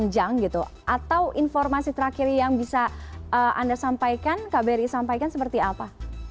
perpanjang gitu atau informasi terakhir yang bisa anda sampaikan kak beri sampaikan seperti apa